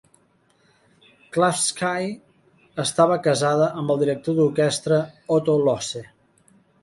Klafsky estava casada amb el director d'orquestra Otto Lohse.